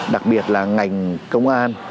đặc biệt là ngành công an